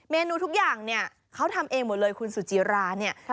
นูทุกอย่างเนี่ยเขาทำเองหมดเลยคุณสุจิราเนี่ย